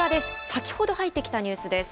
先ほど入ってきたニュースです。